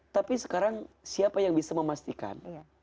tapi sekarang siapa yang bisa memastikan